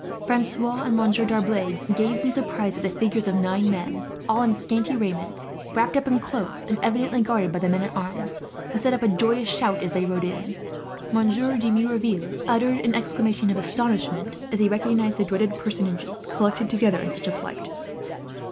Francois and Monsieur D'Arblay gazed in surprise at the figures of nine men, all in scanty raiments, wrapped up in cloaks, and evidently guarded by the men at arms, who set up a joyous shout as they rode in. Monsieur de Merouville uttered an exclamation of astonishment, as he recognized the dreaded personages collected together in such a plight.